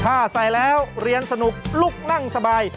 ถ้าใส่แล้วเรียนสนุกลุกนั่งสบาย